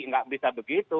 nggak bisa begitu